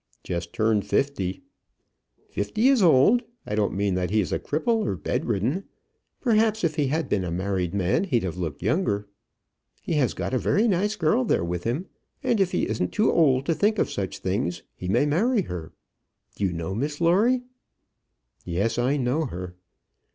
"Just turned fifty." "Fifty is old. I don't mean that he is a cripple or bedridden. Perhaps if he had been a married man, he'd have looked younger. He has got a very nice girl there with him; and if he isn't too old to think of such things, he may marry her. Do you know Miss Lawrie?" "Yes; I know her."